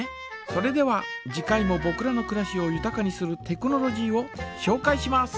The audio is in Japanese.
それでは次回もぼくらのくらしをゆたかにするテクノロジーをしょうかいします。